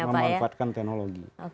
kita ingin memanfaatkan teknologi